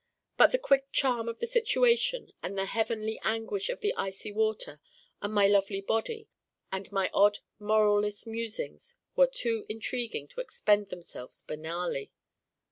But the quick charm of the situation and the heavenly anguish of the icy water, and my lovely Body, and my odd moralless musings were too intriguing to expend themselves banalely.